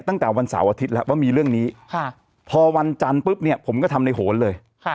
ตั้งแต่วันเสาร์อาทิตย์แล้วว่ามีเรื่องนี้พอวันจันทร์ปุ๊บเนี่ยผมก็ทำในโหนเลย